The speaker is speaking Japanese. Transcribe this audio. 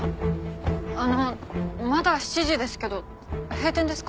あのまだ７時ですけど閉店ですか？